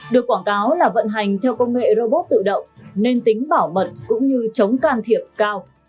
được quảng cáo là vận hành theo công nghệ robot tự động nên tính bảo mật cũng như chống can thiệp cao